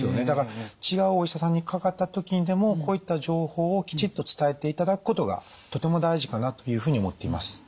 だから違うお医者さんにかかった時にでもこういった情報をきちっと伝えていただくことがとても大事かなというふうに思っています。